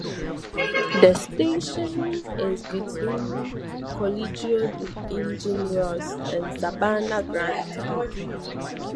The station is between Colegio de Ingenieros and Sabana Grande.